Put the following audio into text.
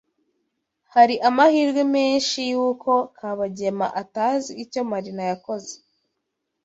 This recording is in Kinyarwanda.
Hari amahirwe menshi yuko Kabagema atazi icyo Marina yakoze.